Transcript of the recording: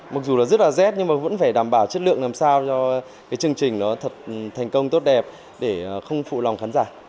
mặc dù là rất là rét nhưng mà vẫn phải đảm bảo chất lượng làm sao cho cái chương trình nó thật thành công tốt đẹp để không phụ lòng khán giả